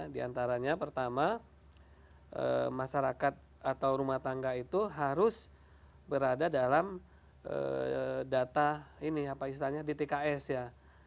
di antaranya pertama masyarakat atau rumah tangga itu harus berada dalam data ini apa istilahnya dtks ya